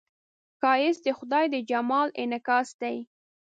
ښایست د خدای د جمال انعکاس دی